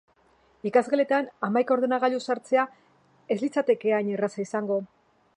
Ikasgeletan hamaika ordenagailu sartzea ez litzateke hain erraza izango.